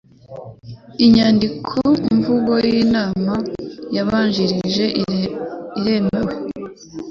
Inyandikomvugo yinama yabanjirije iremewe.